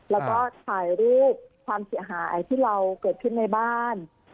แล้วก็ถ่ายรูปความเสียหายที่เราเกิดขึ้นในบ้าน